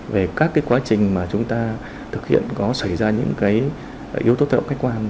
về các cái quá trình mà chúng ta thực hiện có xảy ra những cái yếu tố tạo cách quan